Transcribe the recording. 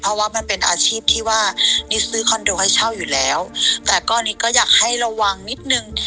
เพราะว่ามันเป็นอาชีพที่ว่านิดซื้อคอนโดให้เช่าอยู่แล้วแต่ก็นิดก็อยากให้ระวังนิดนึง